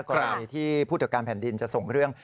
กรณีที่ผู้ตรวจการแผ่นดินจะส่งเรื่อง